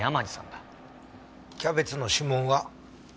キャベツの指紋は？